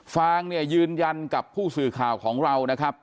ฟางเนี่ยยืนยันกับผู้สื่อข่าวของเรานะครับ